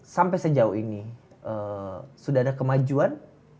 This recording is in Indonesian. sampai sejauh ini sudah ada kemajuan